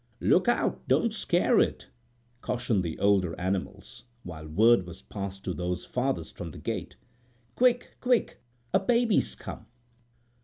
"Look out; don't scare it," cautioned the older animals, while word was passed to those farthest from the gate: "Quick! Quick! A baby's come!"